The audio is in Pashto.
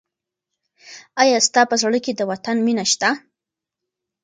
آیا ستا په زړه کې د وطن مینه شته؟